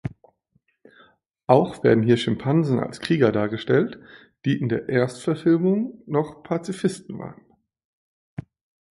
Auch werden hier Schimpansen als Krieger dargestellt, die in der Erstverfilmung noch Pazifisten waren.